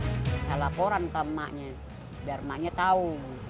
saya laporan ke emaknya biar emaknya tahu